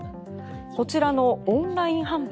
こちらのオンライン販売。